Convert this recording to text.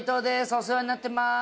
お世話になってます